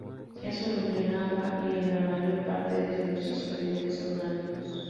Es soluble en agua y en la mayor parte de los disolventes orgánicos.